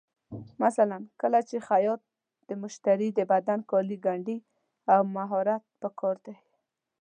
مثلا کله چې خیاط د مشتري د بدن کالي ګنډي، دا مهارت پکار دی.